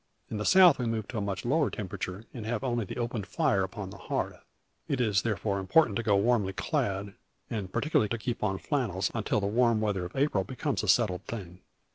In the South we move in a much lower temperature, and have only the open fire upon the hearth. It is therefore important to go warmly clad, and particularly to keep on flannels until the warm weather of April becomes a settled thing.